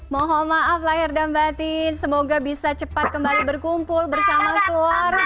mohon maaf lahir dan batin semoga bisa cepat kembali berkumpul bersama keluarga